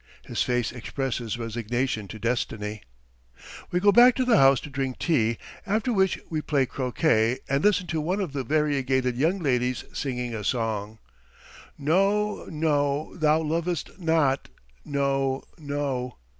His face expresses resignation to destiny. We go back to the house to drink tea, after which we play croquet and listen to one of the variegated young ladies singing a song: "No, no, thou lovest not, no, no."